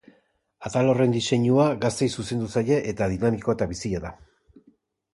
Atal horren diseinua gazteei zuzendu zaie eta dinamikoa eta bizia da.